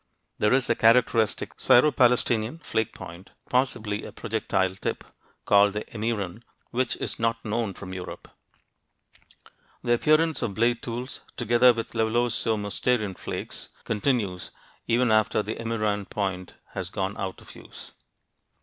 There is a characteristic Syro Palestinian flake point, possibly a projectile tip, called the Emiran, which is not known from Europe. The appearance of blade tools, together with Levalloiso Mousterian flakes, continues even after the Emiran point has gone out of use.